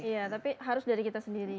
iya tapi harus dari kita sendiri